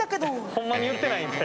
ほんまに言ってないんで。